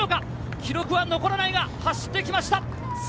記録は残らないが走ってきました。